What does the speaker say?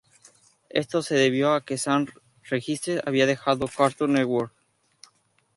Esto se debió a que Sam Register había dejado Cartoon Network.